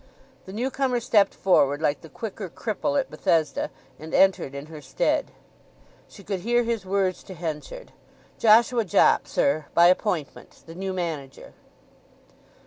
The newcomer stepped forward like the quicker cripple at Bethesda, and entered in her stead. She could hear his words to Henchard: "Joshua Jopp, sir—by appointment—the new manager."